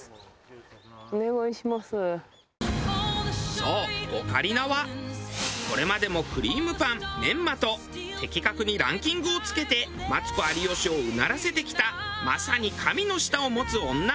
そうオカリナはこれまでもクリームパンメンマと的確にランキングを付けてマツコ有吉をうならせてきたまさに神の舌を持つ女。